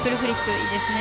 いいですね。